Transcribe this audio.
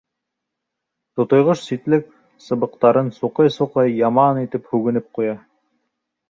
Тутыйғош ситлек сыбыҡтарын суҡый-суҡый, яман итеп һүгенеп ҡуя.